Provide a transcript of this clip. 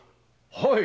はい。